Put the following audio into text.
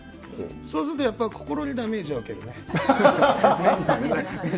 そうすると心にダメージを受けるね。